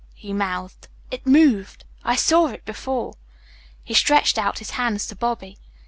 he mouthed. "It's moved! I saw it before." He stretched out his hands to Bobby.